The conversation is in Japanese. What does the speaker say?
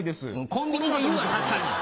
コンビニで言うわ確かに！